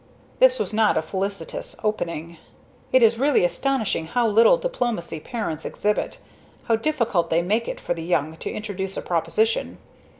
This was not a felicitious opening. It is really astonishing how little diplomacy parents exhibit, how difficult they make it for the young to introduce a proposition.